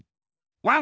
ワン！